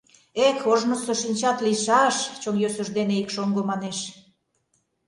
— Эк, ожнысо шинчат лийшаш! — чон йӧсыж дене ик шоҥго манеш.